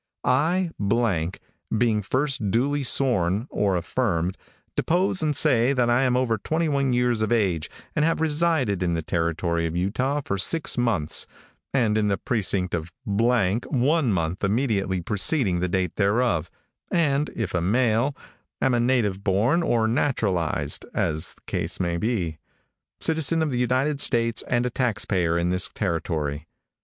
I being first duly sworn (or affirmed), depose and say that I am over twenty one years of age, and have resided in the territory of Utah for six months, and in the precinct of one month immediately preceding the date thereof, and (if a male) am a native born or naturalized (as the case may be) citizen of the United States and a tax payer in this territory.